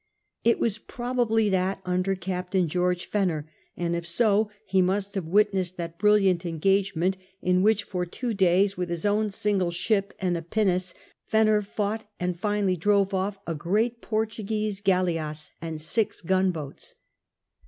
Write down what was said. It was probably that under Captain George Fenner ; and, if so, he must have witnessed that brilliant engagement, in which for two days with his THE MERCANTILE MARINE own single ship and a pinnace Fenner fought and finally drove off a great Portuguese galleasse and six gunboats.